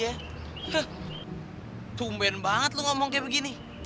hah tumben banget lo ngomong kayak begini